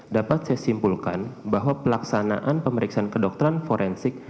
dapat saya simpulkan bahwa pelaksanaan pemeriksaan kedokteran forensik